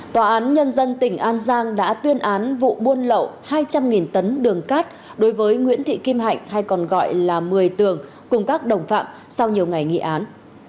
tòa án nhân dân tỉnh an giang đã tuyên án vụ buôn lậu hai trăm linh tấn đường cát đối với nguyễn thị kim hạnh hay còn gọi là mười tường cùng các đồng phạm sau nhiều ngày nghị án